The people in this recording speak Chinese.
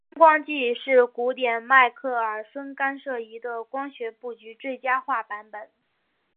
分光计是古典迈克耳孙干涉仪的光学布局最佳化版本。